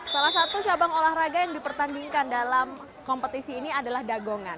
salah satu cabang olahraga yang dipertandingkan dalam kompetisi ini adalah dagongan